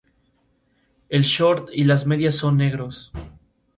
El short y las medias son negros.